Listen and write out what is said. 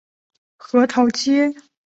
核桃街。